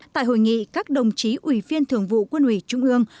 tại hội nghị các đồng chí ủy viên thường vụ quân ủy trung ương